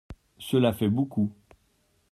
Cela fait beaucoup.